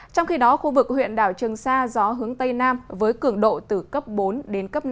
trong khi đó khu vực huyện đảo trường sa gió hướng tây nam với cường độ từ cấp bốn đến cấp năm